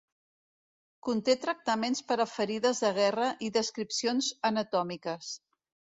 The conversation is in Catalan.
Conté tractaments per a ferides de guerra i descripcions anatòmiques.